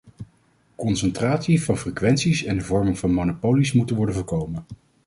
Concentratie van frequenties en de vorming van monopolies moeten worden voorkomen.